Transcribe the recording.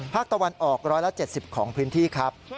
ภาคตะวันออก๑๗๐ของพื้นที่ครับ